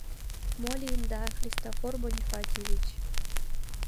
— Мо лийында, Христофор Бонифатьевич?